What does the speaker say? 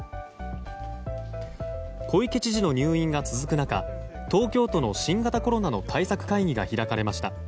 小池知事の入院が続く中東京都の新型コロナの対策会議が開かれました。